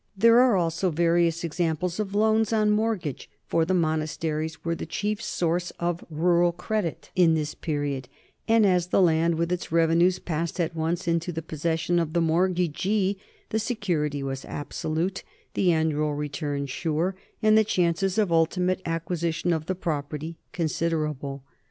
There are also vari ous examples of loans on mortgage, for the monasteries were the chief source of rural credit in this period, and as the land with its revenues passed at once into the possession of the mortgagee, the security was absolute, the annual return sure, and the chances of ultimate acquisition of the property considerable.